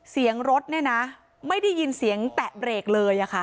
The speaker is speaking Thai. เสียงรถเนี่ยนะไม่ได้ยินเสียงแตะเบรกเลยค่ะ